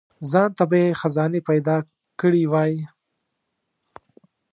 ځانته به یې خزانې پیدا کړي وای.